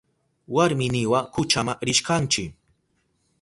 Warminiwa kuchama rishkanchi.